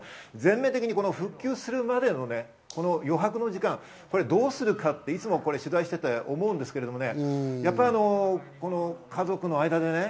全面的に普及するまでの余白の時間、これをどうするかっていつも取材していて思うんですけどね。